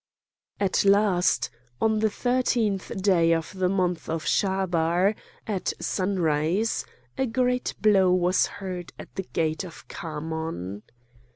At last on the thirteenth day of the month of Schabar,—at sunrise,—a great blow was heard at the gate of Khamon.